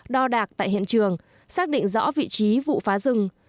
đo đạc tại hiện trường xác định rõ vị trí vụ phá rừng